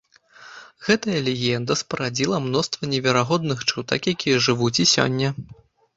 Гэтая легенда спарадзіла мноства неверагодных чутак, якія жывуць і сёння.